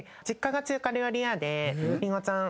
りんごちゃん